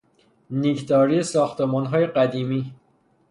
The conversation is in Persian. نیکداری ساختمانهای قدیمی